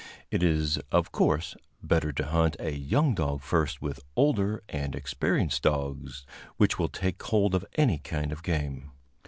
It is, of course, better to hunt a young dog first with older and experienced dogs, which will take hold of any kind of game.